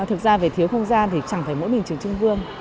thực ra về thiếu không gian thì chẳng phải mỗi mình trường trung vương